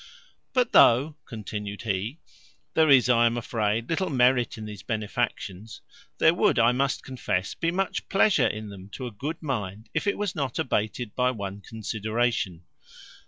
"But though," continued he, "there is, I am afraid, little merit in these benefactions, there would, I must confess, be much pleasure in them to a good mind, if it was not abated by one consideration.